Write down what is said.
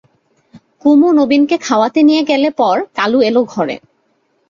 কুমু নবীনকে খাওয়াতে নিয়ে গেলে পর কালু এল ঘরে।